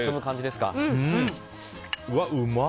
うわ、うまっ。